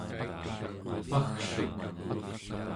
paggluk¹